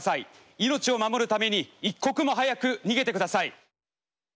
命を守るために一刻も早く逃げてください！